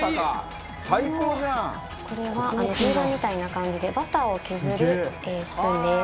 これはピーラーみたいな感じでバターを削るスプーンです。